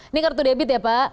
ini kartu debit ya pak